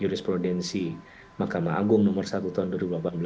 jurisprudensi mahkamah agung nomor satu tahun dua ribu delapan belas